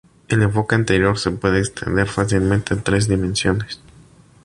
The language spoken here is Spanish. El enfoque anterior se puede extender fácilmente a tres dimensiones.